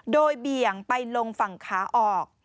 โดยเบี่ยงไปลงฝั่งขาออก